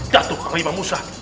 jatuh kalimah musah